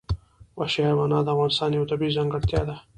وحشي حیوانات د افغانستان یوه طبیعي ځانګړتیا ده.